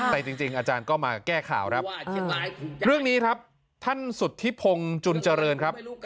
แต่จริงอาจารย์ก็มาแก้ข่าวครับเรื่องนี้ครับท่านสุธิพงศ์จุนเจริญครับ